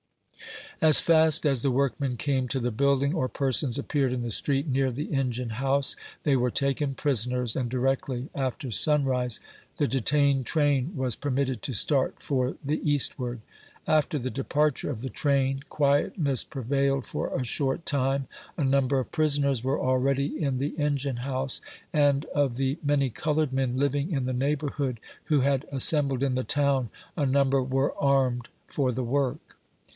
As fast as the workmen came to the building, or persons appeared in the street near the engine house, they were taken prisoners, and directly after sunrise, the detained train was permitted to start for the eastward. After the departure of the train, quietness prevailed for a short time ; a number of prisoners were already in the engine house, and of the TERROR IN THE SLA VEIIO L.DING CAMP. 37 many colored men living in the neighborhood, who had as sembled in the town, a number were armed for the work.